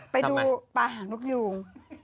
ไปดูป่าหางนกยูง